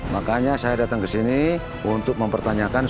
makanya saya datang ke sini untuk mempertanyakan